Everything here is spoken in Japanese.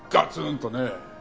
とね。